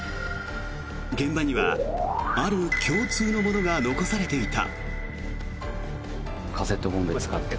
現場にはある共通のものが残されていた。